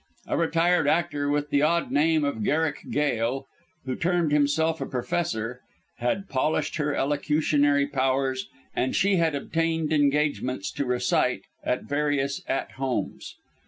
A retired actor with the odd name of Garrick Gail, who termed himself a professor, had polished her elocutionary powers, and she had obtained engagements to recite at various "At Homes."